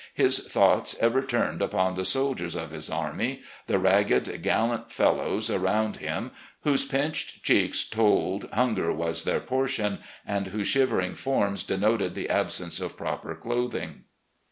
... His thoughts ever turned upon the soldiers of his army, the ragged gallant fellows around him — ^whose pinched cheeks told hunger was their portion, and whose shivering forms denoted the absence of proper clothing."